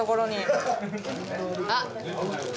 あっ！